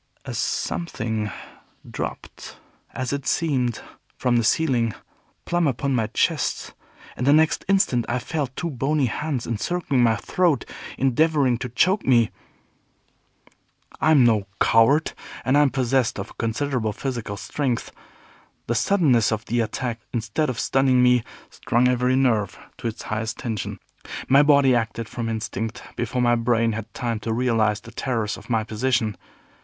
A Something dropped, as it seemed, from the ceiling, plumb upon my chest, and the next instant I felt two bony hands encircling my throat, endeavoring to choke me. I am no coward, and am possessed of considerable physical strength. The suddenness of the attack, instead of stunning me, strung every nerve to its highest tension. My body acted from instinct, before my brain had time to realize the terrors of my position.